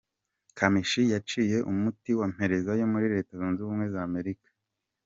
Kamichi yaciye umuti wa mperezayo muri Leta Zunze Ubumwe za Amerika.